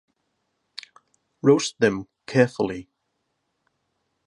Roast them carefully.